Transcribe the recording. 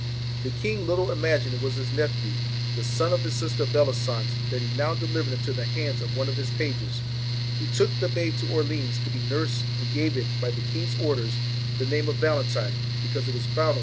The king little imagined it was his nephew, the son of his sister Bellisance, that he now delivered into the hands of one of his pages, who took the babe to Orleans to be nursed, and gave it, by the king's orders, the name of Valentine, because it was found on S.